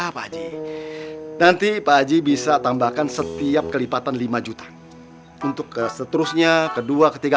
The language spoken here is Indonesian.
apa aja nanti pak haji bisa tambahkan setiap kelipatan lima juta untuk seterusnya kedua ketiga